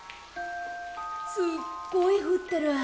すっごいふってる。